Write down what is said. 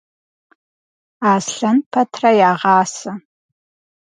Аслъэн пэтрэ ягъасэ.